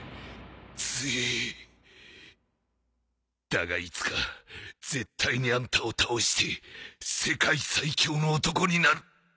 だがいつか絶対にあんたを倒して世界最強の男になる